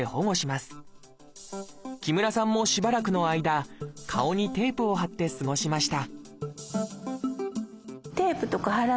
木村さんもしばらくの間顔にテープを貼って過ごしました